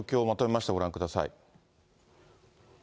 まとめました、ご覧ください。